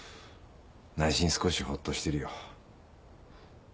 内心少しほっとしてるよ。